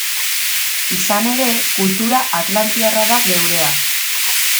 Izan ere, kultura atlantiarra da geurea.